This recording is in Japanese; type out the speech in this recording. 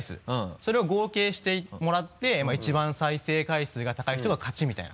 それを合計してもらって１番再生回数が高い人が勝ちみたいな。